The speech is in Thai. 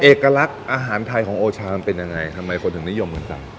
เอกลักษณ์อาหารไทยของโอชามันเป็นยังไงทำไมคนถึงนิยมกันสั่ง